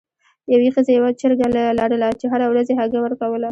یوې ښځې یوه چرګه لرله چې هره ورځ یې هګۍ ورکوله.